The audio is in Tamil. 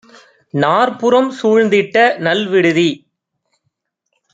நாற்புறம் சூழ்ந்திட்ட நல்விடுதி!